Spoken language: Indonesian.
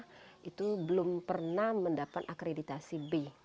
hal itu belum pernah mendapatkan akreditasi b